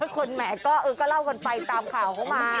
คนแหมก็เล่ากันไปตามข่าวเข้ามา